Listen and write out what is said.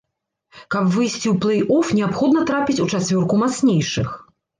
Каб выйсці ў плэй-оф, неабходна трапіць у чацвёрку мацнейшых.